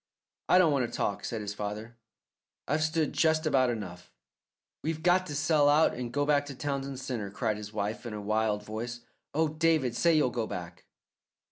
"I don't want to talk," said his father. "I've stood just about enough." "We've got to sell out and go back to Townsend Centre," cried his wife in a wild voice. "Oh, David, say you'll go back."